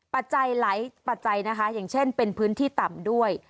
ปัจจัยหลายปัจจัยนะคะอย่างเช่นเป็นพื้นที่ต่ำด้วย